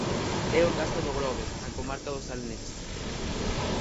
É o caso do Grove, na comarca do Salnés.